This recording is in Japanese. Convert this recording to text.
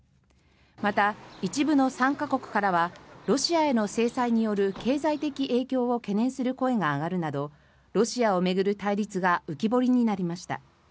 また、一部の参加国からはロシアへの制裁による経済的影響を懸念する声が上がるなどロシアを巡る対立が浮き彫りになりました。